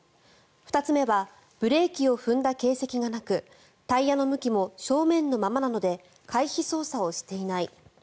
２つ目はブレーキを踏んだ形跡がなくタイヤの向きも正面のままなので回避操作をしていない。